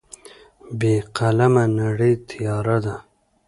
بې قلمه نړۍ تیاره ده.